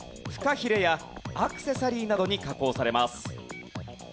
フカヒレやアクセサリーなどに加工されます。